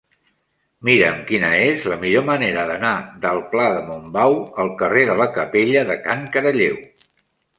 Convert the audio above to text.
Mira'm quina és la millor manera d'anar del pla de Montbau al carrer de la Capella de Can Caralleu.